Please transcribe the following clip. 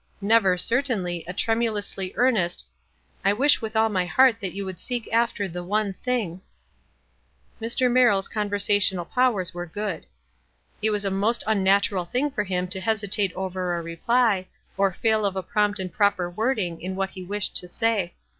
" never, certainly, a trem ulously earnest, "I wish with all my heart that you would seek after the f One thing.'" Mr. Merrill's conversational powers were good. It was a most unnatural thing for him to hesitate over a reply, or fail of a prompt and proper wording in what be wished to say.